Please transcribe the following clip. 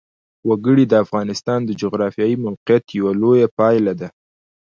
وګړي د افغانستان د جغرافیایي موقیعت یوه لویه پایله ده.